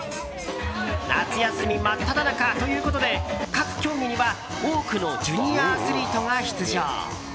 夏休み真っただ中ということで各競技には多くのジュニアアスリートが出場。